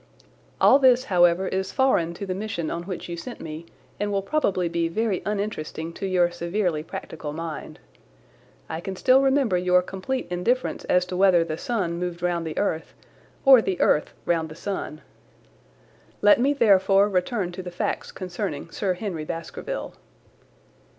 All this, however, is foreign to the mission on which you sent me and will probably be very uninteresting to your severely practical mind. I can still remember your complete indifference as to whether the sun moved round the earth or the earth round the sun. Let me, therefore, return to the facts concerning Sir Henry Baskerville.